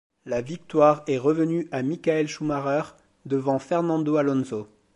La victoire est revenue à Michael Schumacher devant Fernando Alonso.